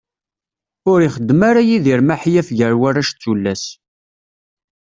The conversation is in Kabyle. Ur ixeddem ara Yidir maḥyaf gar warrac d tullas.